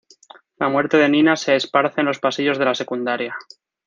La muerte de Nina se esparce en los pasillos de la secundaria.